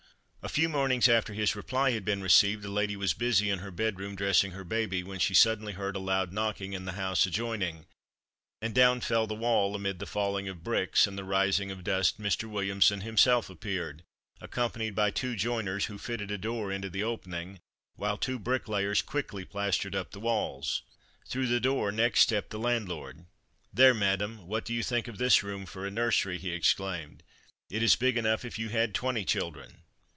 A few mornings after his reply had been received the lady was busy in her bedroom dressing her baby, when she suddenly heard a loud knocking in the house adjoining, and down fell the wall, and amid the falling of bricks and the rising of dust Mr. Williamson himself appeared, accompanied by two joiners, who fitted a door into the opening, while two bricklayers quickly plastered up the walls. Through the door next stepped the landlord. "There, madam, what do you think of this room for a nursery," he exclaimed, "it is big enough if you had twenty children."